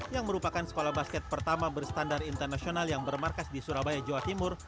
yang merupakan sekolah basket pertama berstandar internasional yang bermarkas di surabaya jawa timur